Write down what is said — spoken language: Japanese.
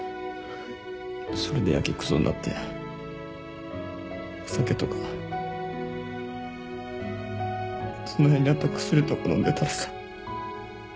それでやけくそになって酒とかその辺にあった薬とか飲んでたらさ。